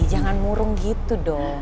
jangan murung gitu dong